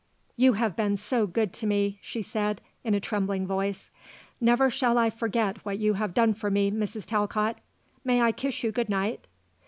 "You have been so good to me," she said, in a trembling voice. "Never shall I forget what you have done for me, Mrs. Talcott. May I kiss you good night?"